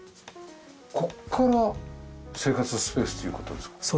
ここから生活スペースという事ですか？